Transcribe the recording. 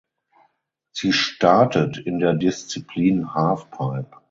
Sie startet in der Disziplin Halfpipe.